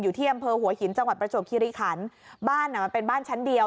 อยู่ที่อำเภอหัวหินจังหวัดประจวบคิริขันบ้านอ่ะมันเป็นบ้านชั้นเดียว